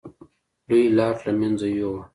لوی لاټ له منځه یووړ.